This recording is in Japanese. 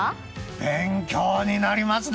勉強になりますね。